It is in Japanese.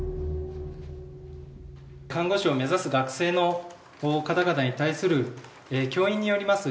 看護師を目指す学生の方々に対する教員によります